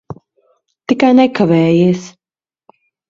Tikai nekavējies.